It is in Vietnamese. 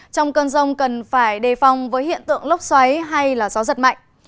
trong cơn rông cần phải đề phòng với hiện tượng lốc xoáy hay gió giật mạnh